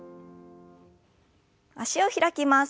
脚を開きます。